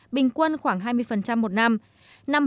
bình quân khoảng hai mươi một năm